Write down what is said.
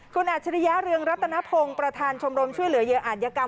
คุณอัจฉริยะเรืองรัตนพงศ์ประธานชมรมช่วยเหลือเหยื่ออาจยกรรม